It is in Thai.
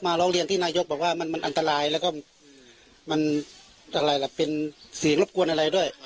ร้องเรียนที่นายกบอกว่ามันมันอันตรายแล้วก็มันอะไรล่ะเป็นเสียงรบกวนอะไรด้วย